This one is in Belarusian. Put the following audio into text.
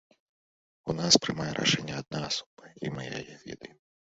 У нас прымае рашэнні адна асоба, і мы яе ведаем.